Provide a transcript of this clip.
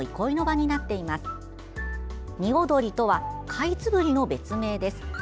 「におどり」とはカイツブリの別名です。